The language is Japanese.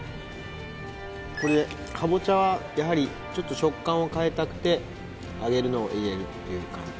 これカボチャはやはり食感を変えたくて揚げるのを入れるっていう感じ？